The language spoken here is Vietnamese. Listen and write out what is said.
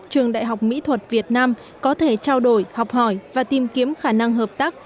trường đại học mỹ thuật việt nam có thể trao đổi học hỏi và tìm kiếm khả năng hợp tác